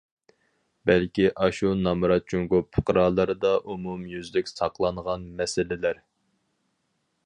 بەلكى ئاشۇ نامرات جۇڭگو پۇقرالىرىدا ئومۇميۈزلۈك ساقلانغان مەسىلىلەر.